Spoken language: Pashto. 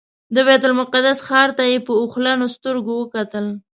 د بیت المقدس ښار ته یې په اوښلنو سترګو وکتل.